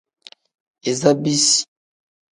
Iza bisi.